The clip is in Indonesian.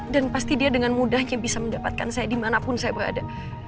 dan pasti dia dengan mudahnya bisa mendapatkan saya dimanapun saya berada